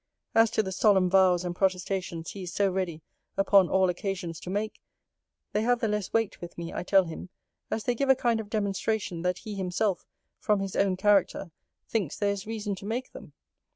'As to the solemn vows and protestations he is so ready, upon all occasions, to make, they have the less weight with me, I tell him, as they give a kind of demonstration, that he himself, from his own character, thinks there is reason to make them.